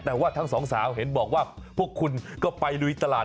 แต่ว่าทั้งสองสาวเห็นบอกว่าพวกคุณก็ไปลุยตลาด